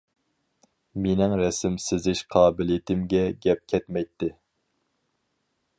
مېنىڭ رەسىم سىزىش قابىلىيىتىمگە گەپ كەتمەيتتى.